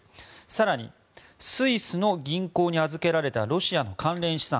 更に、スイスの銀行に預けられたロシアの関連資産